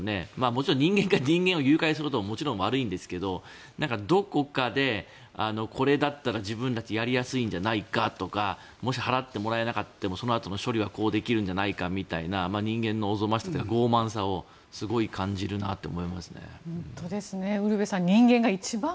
もちろん人間が人間を誘拐することももちろん悪いんですけどどこかでこれだったら自分たちやりやすいんじゃないかとかもし払ってもらえなくてもそのあとの処理はこうできるんじゃないかみたいな人間のおぞましさとか傲慢さをすごい感じるなと思いますね。